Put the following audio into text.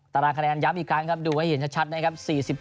ตารางคะแนนย้ำอีกครั้งครับดูให้เห็นชัดนะครับ